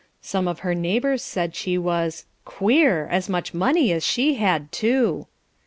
Some of her neighbours said she was "queer, as much money as she had, too."